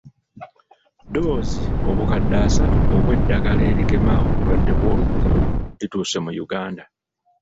Ddoozi obukadde asatu obw'eddagala erigema obulwadde bw'olukuku lituuse mu Uganda.